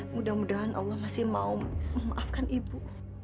mudah mudahan allah masih mau memaafkan ibu